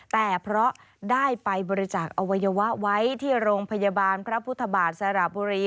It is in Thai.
แต่เพราะได้ไปบริจาคอวัยวะไว้ที่โรงพยาบาลพระพุทธบาทสระบุรี